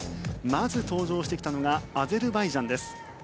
まず登場してきたのがアゼルバイジャンです。